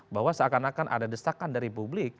bahwa seakan akan ada desakan dari publik